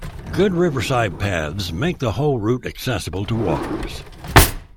Good riverside paths make the whole route accessible to walkers.